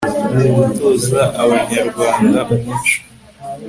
gutoza abanyarwanda umuco